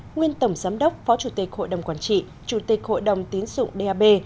nguyên tổng giám đốc phó chủ tịch hội đồng quản trị chủ tịch hội đồng tiến dụng dap